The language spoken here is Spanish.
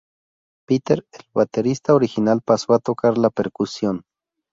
Peter, el baterista original pasó a tocar la percusión.